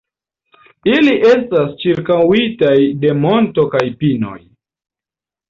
Ili estas ĉirkaŭitaj de monto kaj pinoj.